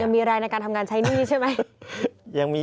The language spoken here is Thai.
มีแรงในการทำงานใช้หนี้ใช่ไหม